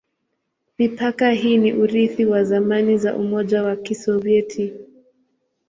Mipaka hii ni urithi wa zamani za Umoja wa Kisovyeti.